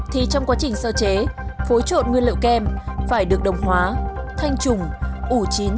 thì trong quá trình sơ chế phối trộn nguyên liệu kem phải được đồng hóa thanh trùng ủ chín